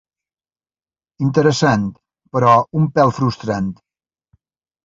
Interessant, però un pèl frustrant.